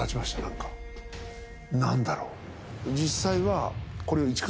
何だろう。